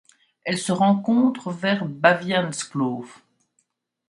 Elle se rencontre vers Baviaanskloof.